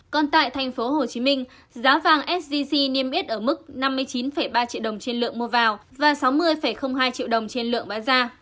còn tại tp hcm giá vàng sgc niêm yết ở mức năm mươi chín ba triệu đồng trên lượng mua vào và sáu mươi hai triệu đồng trên lượng bán ra